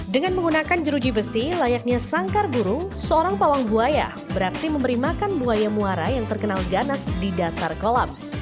dengan menggunakan jeruji besi layaknya sangkar burung seorang pawang buaya beraksi memberi makan buaya muara yang terkenal ganas di dasar kolam